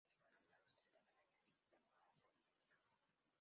Álvarez fue nombrado Atleta del Año en su temporada senior.